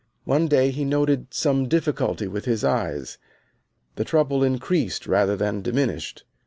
One day he noted some difficulty with his eyes. The trouble increased rather than diminished.